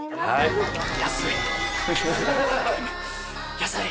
安い。